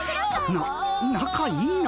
ななかいいな。